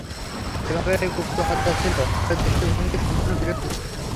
এভাবে গুপ্তহত্যা ছিল তাঁর দৃষ্টিভঙ্গির সম্পূর্ণ বিরোধী।